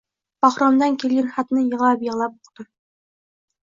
Bahromdan kelgan xatni yig`lab-yig`lab o`qidim